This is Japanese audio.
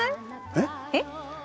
えっ？えっ？